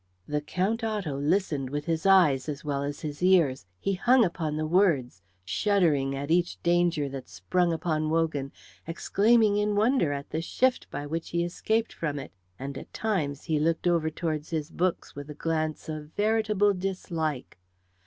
The Count Otto listened with his eyes as well as his ears; he hung upon the words, shuddering at each danger that sprang upon Wogan, exclaiming in wonder at the shift by which he escaped from it, and at times he looked over towards his books with a glance of veritable dislike.